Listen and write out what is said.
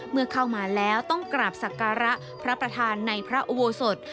เมื่อเข้ามาแล้วต้องกราบสักการะพระประธานในพระอุโบสถ